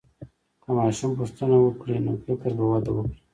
که ماشوم پوښتنه وکړي، نو فکر به وده وکړي.